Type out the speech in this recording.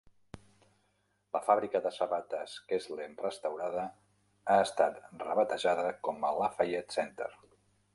La fàbrica de sabates Keslen restaurada ha estat rebatejada com a Lafayette Center.